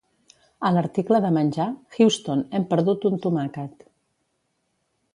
A l'article de menjar, Houston, hem perdut un tomàquet